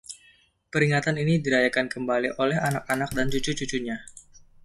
Peringatan ini dirayakan kembali oleh Anak-anak dan Cucu-cucunya.